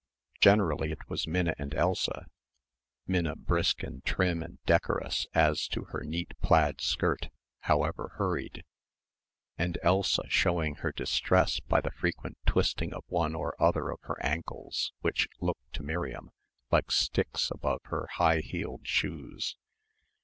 Generally it was Minna and Elsa, Minna brisk and trim and decorous as to her neat plaid skirt, however hurried, and Elsa showing her distress by the frequent twisting of one or other of her ankles which looked, to Miriam, like sticks above her high heeled shoes.